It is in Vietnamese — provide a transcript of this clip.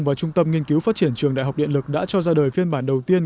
và trung tâm nghiên cứu phát triển trường đại học điện lực đã cho ra đời phiên bản đầu tiên